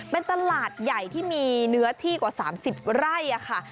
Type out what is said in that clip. เป็นตลาดใหญ่ที่มีเนื้อที่กว่า๓๐ไร่ค่ะ